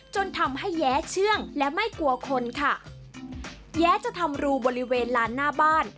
จนทำให้แย้เชื่องและไม่กลัวคนค่ะแย้จะทำรูบริเวณลานหน้าบ้าน